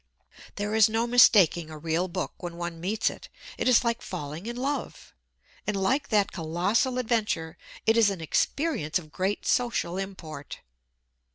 There is no mistaking a real book when one meets it. It is like falling in love, and like that colossal adventure it is an experience of great social import.